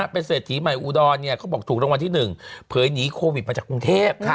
เป็นเศรษฐีใหม่อุดรเขาบอกถูกรางวัลที่๑เผยหนีโควิดมาจากกรุงเทพ